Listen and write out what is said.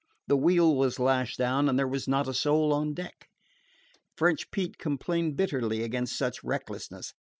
The wheel was lashed down, and there was not a soul on deck. French Pete complained bitterly against such recklessness.